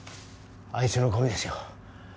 あいつのゴミですよ。